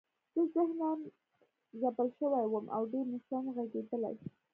زه ذهناً ځپل شوی وم او ډېر نشوم غږېدلی